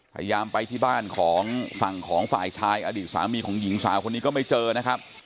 พยายามไปที่บ้านของฝั่งของฝ่ายชายอดีตสามีของหญิงสาวคนนี้ก็ไม่เจอนะครับ